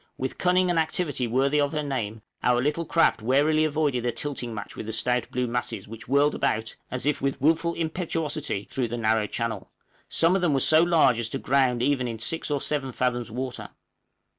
With cunning and activity worthy of her name, our little craft warily avoided a tilting match with the stout blue masses which whirled about, as if with wilful impetuosity, through the narrow channel; some of them were so large as to ground even in 6 or 7 fathoms water.